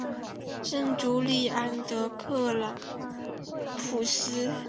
圣朱利安德克朗普斯。